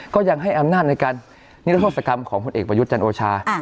ก็ยังให้อำนาจในการนิรโทษกรรมของผลเอกประยุทธ์จันโอชา